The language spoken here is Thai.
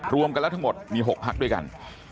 รวมกันแล้วทั้งหมดมี๖พักด้วยกัน